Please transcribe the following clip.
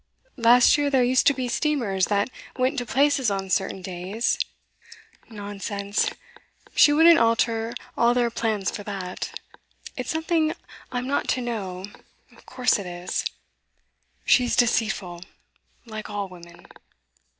'Last year there used to be steamers that went to places on certain days ' 'Nonsense! She wouldn't alter all their plans for that. It's something I am not to know of course it is. She's deceitful like all women.